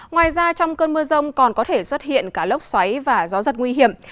ngoài ra trong cơn mưa rông còn có thể xuất hiện cả lốc xoáy và gió giật nguy hiểm